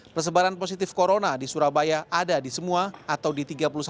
persebaran positif corona di surabaya ada di semua atau di tiga puluh satu